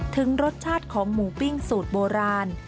ถึงรสชาติของหมูปิ้งสูตรโบราณ